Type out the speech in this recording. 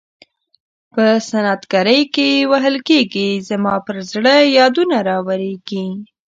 په سنت ګرۍ کې وهل کیږي زما پر زړه یادونه راوریږي.